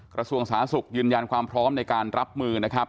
กระทรวงสาธารณสุขยืนยันความพร้อมในการรับมือนะครับ